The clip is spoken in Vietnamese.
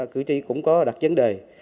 cử tri cũng có đặt chân đời